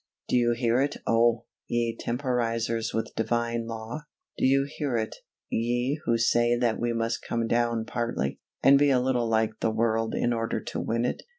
Do you hear it, oh! ye temporizers with Divine law? Do you hear it, ye who say that we must come down partly, and be a little like the world in order to win it?